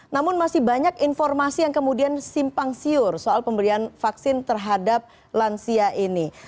namun masih banyak informasi yang kemudian simpang siur soal pemberian vaksin terhadap lansia ini